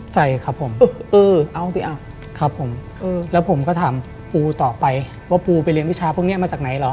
ใช่ครับผมแล้วผมก็ถามปูต่อไปว่าปูไปเรียนวิชาพวกนี้มาจากไหนหรอ